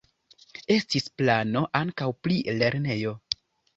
Estis plano ankaŭ pri lernejo.